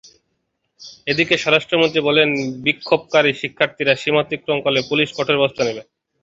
এদিকে স্বরাষ্ট্রমন্ত্রী বলেন বিক্ষোভকারী শিক্ষার্থীরা "সীমা অতিক্রম করলে" পুলিশ "কঠোর ব্যবস্থা" নেবে।